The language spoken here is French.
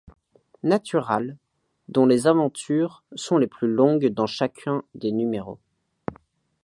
Natural, dont les aventures sont les plus longues dans chacun des numéros.